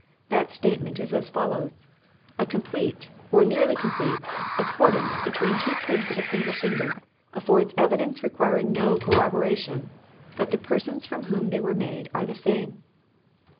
That statement is as follows: 'A complete, or nearly complete, accordance between two prints of a single finger ... affords evidence requiring no corroboration, that the persons from whom they were made are the same.'